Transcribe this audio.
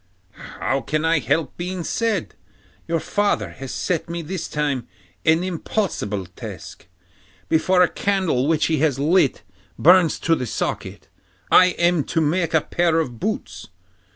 'How can I help being sad? Your father has set me this time an impossible task. Before a candle which he has lit burns to the socket, I am to make a pair of boots.